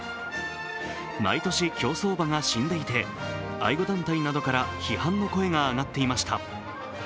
毎年、競走馬が死んでいて、愛護団体などから批判の声が上がっていました。